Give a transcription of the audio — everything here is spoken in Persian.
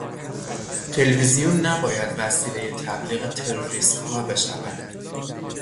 تلویزیون نباید وسیلهی تبلیغ تروریستها بشود.